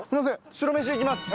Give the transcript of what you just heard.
白飯いきます。